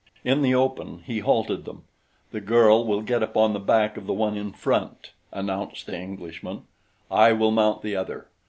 In the open he halted them. "The girl will get upon the back of the one in front," announced the Englishman. "I will mount the other.